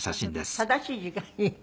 「正しい時間」って。